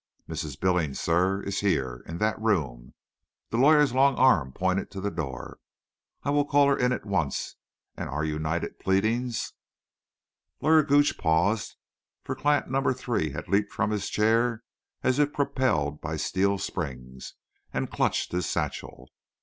Mrs. Billings, sir, is here—in that room—" the lawyer's long arm pointed to the door. "I will call her in at once; and our united pleadings—" Lawyer Gooch paused, for client number three had leaped from his chair as if propelled by steel springs, and clutched his satchel.